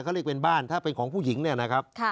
เขาเรียกเป็นบ้านถ้าเป็นของผู้หญิงเนี่ยนะครับ